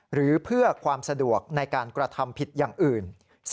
หรือเพื่อความสะดวกในการกระทำผิดอย่างอื่น